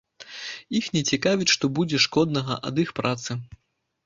Іх не цікавіць, што будзе шкоднага ад іх працы.